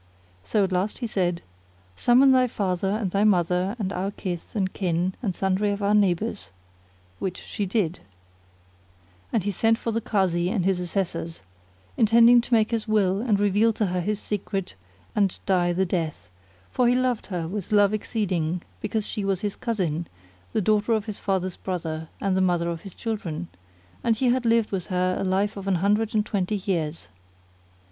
So at last he said, "Summon thy father and thy mother and our kith and kin and sundry of our neighbours," which she did; and he sent for the Kazi[FN#35] and his assessors, intending to make his will and reveal to her his secret and die the death; for he loved her with love exceeding because she was his cousin, the daughter of his father's brother, and the mother of his children, and he had lived with her a life of an hundred and twenty years.